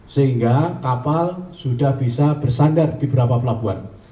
sehingga kapal sudah bisa bersandar di beberapa pelabuhan